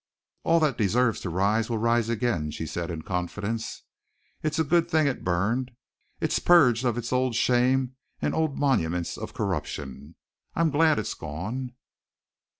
"All that deserves to rise will rise again," she said in confidence. "It's a good thing it burned it's purged of its old shame and old monuments of corruption. I'm glad it's gone."